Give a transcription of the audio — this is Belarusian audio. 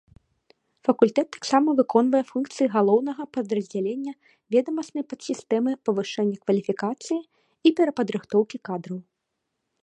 Факультэт таксама выконвае функцыі галаўнога падраздзялення ведамаснай падсістэмы павышэння кваліфікацыі і перападрыхтоўкі кадраў.